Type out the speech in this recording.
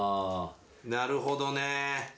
なるほどね。